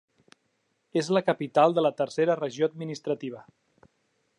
És la capital de la tercera regió administrativa.